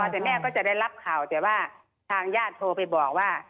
แต่แม่ก็จะได้รับข่าวแต่ว่าทางญาติโทรไปบอกว่า